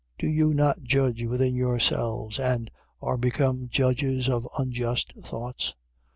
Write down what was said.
Do you not judge within yourselves, and are become judges of unjust thoughts?